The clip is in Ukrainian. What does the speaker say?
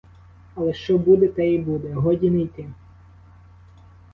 Але що буде, те і буде, годі не йти.